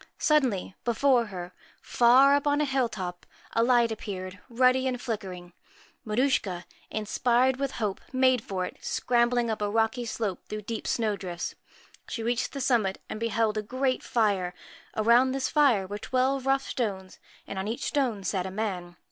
Suddenly, before her far up on a hill top a light appeared, ruddy and flickering. Maruschka, inspired with hope, made for it, scrambling up a rocky slope through deep snow drifts. She reached the summit, and beheld a great fire. Around this fire were twelve rough stones, and on each stone sat a man.